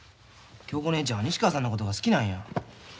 恭子姉ちゃんは西川さんのことが好きなんや。